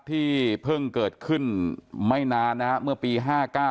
ที่เพิ่งเกิดขึ้นไม่นานนะครับเมื่อปีห้าเก้า